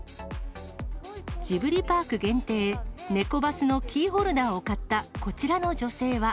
ジブリパーク限定、ねこバスのキーホルダーを買った、こちらの女性は。